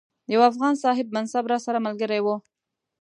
یو افغان صاحب منصب راسره ملګری وو.